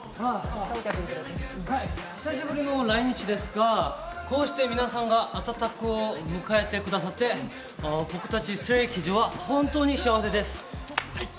久しぶりの来日ですが、こうして皆さんが温かく迎えてくださって、僕たちＳｔｒａｙＫｉｄｓは本当に幸せです。